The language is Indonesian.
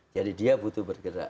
jadi dia butuh bergerak